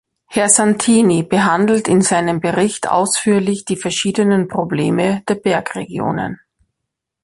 Herr Santini behandelt in seinem Bericht ausführlich die verschiedenen Probleme der Bergregionen.